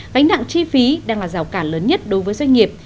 gánh nặng chi phí đang là rào cản lớn nhất đối với doanh nghiệp